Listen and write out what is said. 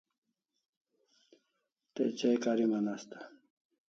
Te chai kariman asta